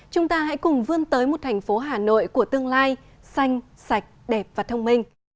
chúng ta hãy cùng vươn tới một thành phố hà nội của tương lai xanh sạch đẹp và thông minh